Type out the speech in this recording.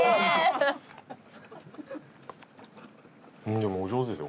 でもお上手ですよ